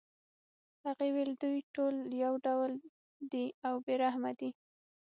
هغې ویل دوی ټول یو ډول دي او بې رحمه دي